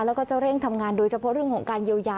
แล้วก็จะเร่งทำงานโดยเฉพาะเรื่องของการเยียวยา